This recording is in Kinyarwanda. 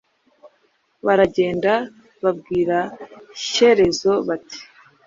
Baragenda babwira Shyerezo bati: